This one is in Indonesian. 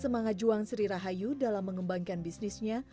semangat juang sri rahayu dalam mengembangkan bisnisnya